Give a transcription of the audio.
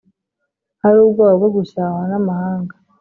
ari ubwoba bwo gucyahwa n'amahanga.